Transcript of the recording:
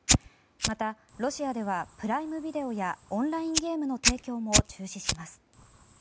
また、ロシアではプライムビデオやオンラインゲームの提供も中止します。